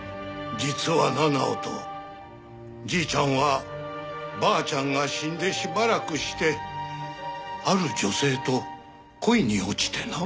実はな直人じいちゃんはばあちゃんが死んでしばらくしてある女性と恋に落ちてな。